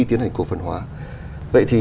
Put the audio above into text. tiến hành cổ phân hóa vậy thì